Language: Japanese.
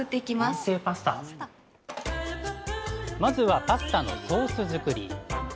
まずはパスタのソース作り。